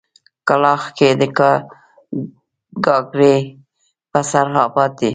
کلاخ کلي د گاگرې په سر اباد دی.